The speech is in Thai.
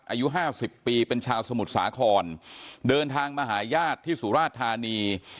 อายุห้าสิบปีเป็นชาวสมุทรสาครเดินทางมาหาญาติที่สุราชธานี